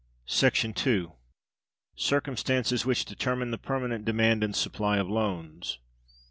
§ 2. Circumstances which Determine the Permanent Demand and Supply of Loans.